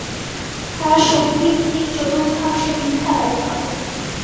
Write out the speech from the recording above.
তারা শক্তির তিন-চতুর্থাংশ বৃথা ব্যয় করে।